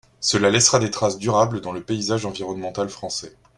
Cela laissera des traces durables dans le paysage environnemental français.